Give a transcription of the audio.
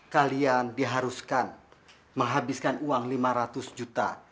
kalian diharuskan menghabiskan uang lima ratus juta